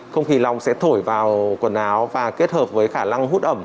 không khí long sẽ thổi vào quần áo và kết hợp với khả năng hút ẩm